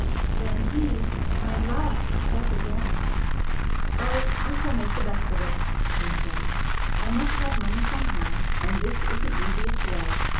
Then he, my love! spoke again 'Oh, I shall make the best of it,' he said 'I must have money somehow, and this is the easiest way.